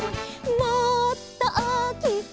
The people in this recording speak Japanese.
「もっと大きく」